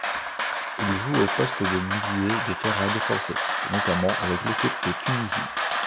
Il joue au poste de milieu de terrain défensif, notamment avec l'équipe de Tunisie.